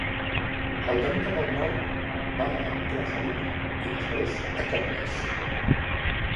El camí cap al nord va a Krasavino i després a Kotlas.